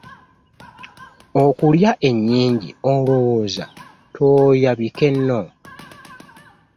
Okulya ennyingi olowooza tooyabike nno?